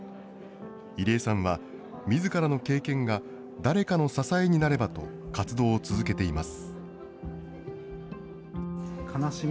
入江さんはみずからの経験が誰かの支えになればと活動を続けています。